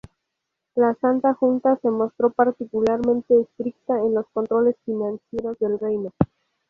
La Santa Junta se mostró particularmente estricta en los controles financieros del reino.